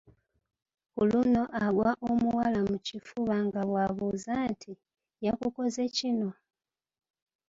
Ku luno agwa omuwala mu kifuba nga bw’abuuza nti, “yakukoze kino?"